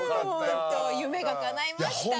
本当、夢がかないました。